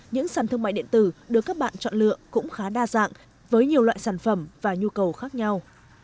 những sản thương mại điện tử được các bạn chọn lựa cũng khá đa dạng với nhiều loại sản phẩm và nhu cầu khác nhau